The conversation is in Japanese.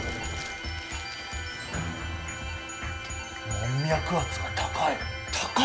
門脈圧が高い。